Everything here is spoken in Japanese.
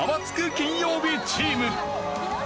金曜日チーム。